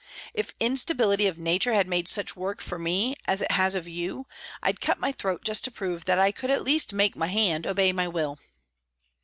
If instability of nature had made such work of me as it has of you, I'd cut my throat just to prove that I could at least once make my hand obey my will!"